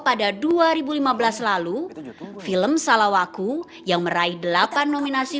pada dua ribu lima belas lalu film salawaku yang meraih delapan nominasi